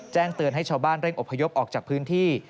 แจ้งเตือนให้ชาวบ้านเร่งอพยพออกจากพื้นที่